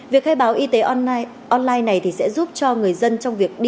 việc khai báo y tế online này sẽ giúp cho người dân trong việc đi